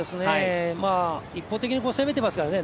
一方的に攻めていますからね。